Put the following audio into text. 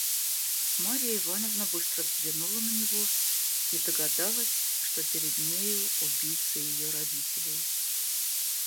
Марья Ивановна быстро взглянула на него и догадалась, что перед нею убийца ее родителей.